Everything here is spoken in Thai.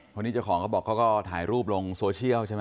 คนนี้เจ้าของเขาบอกเขาก็ถ่ายรูปลงโซเชียลใช่ไหม